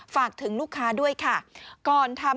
ฝากถึงลูกค้าด้วยค่ะ